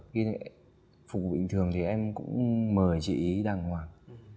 khi phục vụ bình thường thì em cũng mời chị ấy đàng hoàng